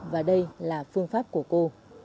và đây là phương pháp của cô